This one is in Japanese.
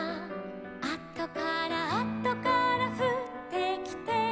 「あとからあとからふってきて」